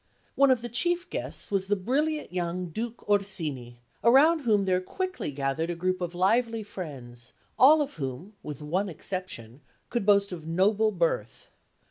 One of the chief guests was the brilliant young Duke Orsini, around whom there quickly gathered a group of lively friends, all of whom, with one exception, could boast of noble birth.